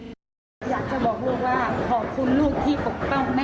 อยากจะบอกลูกว่าขอบคุณลูกที่ปกป้องแม่